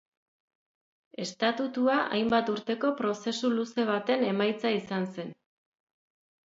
Estatutua hainbat urteko prozesu luze baten emaitza izan zen.